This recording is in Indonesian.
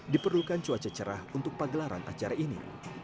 diperlukan cuaca cerah untuk pagelaran acara ini